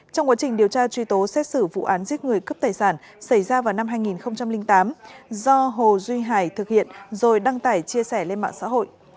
cơ quan tư pháp của tỉnh long an và tòa án nhân dân tối cao xảy ra vào năm hai nghìn tám do hồ duy hải thực hiện rồi đăng tải chia sẻ lên mạng xã hội